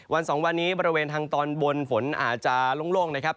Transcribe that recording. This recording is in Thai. สองวันนี้บริเวณทางตอนบนฝนอาจจะโล่งนะครับ